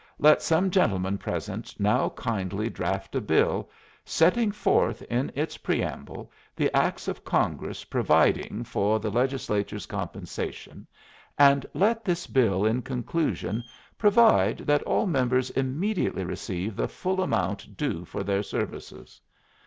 Let some gentleman present now kindly draft a bill setting forth in its preamble the acts of Congress providing for the Legislature's compensation, and let this bill in conclusion provide that all members immediately receive the full amount due for their services.